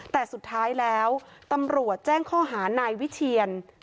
แต่สุดท้ายแล้วตำรวจแจ้งข้อหานายวิเชียน